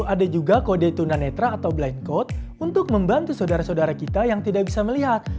ada juga kode tunanetra atau blind code untuk membantu saudara saudara kita yang tidak bisa melihat